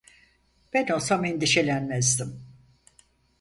Ben olsam endişelenmezdim.